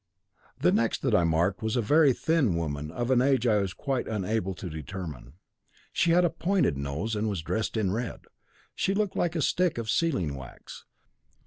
"The next that I marked was a very thin woman of an age I was quite unable to determine. She had a pointed nose, and was dressed in red. She looked like a stick of sealing wax.